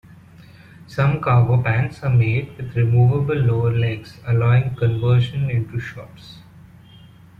Some cargo pants are made with removable lower legs allowing conversion into shorts.